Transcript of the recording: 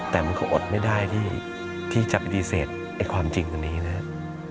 แต่มันก็อดไม่ได้ที่จะปฏิเสธความจริงอันนี้นะครับ